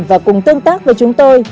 và cùng tương tác với chúng tôi